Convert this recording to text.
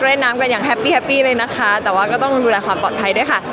เล่นน้ำกันอย่างแฮปปี้แฮปปี้เลยนะคะแต่ว่าก็ต้องดูแลความปลอดภัยด้วยค่ะ